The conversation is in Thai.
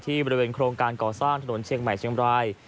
บริเวณโครงการก่อสร้างถนนเชียงใหม่เชียงบราย